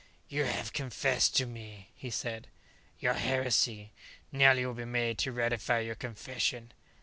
"You have confessed to me," he said, "your heresy. Now, you will be made to ratify your confession.